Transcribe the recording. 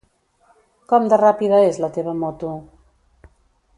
Com de ràpida és la teva moto?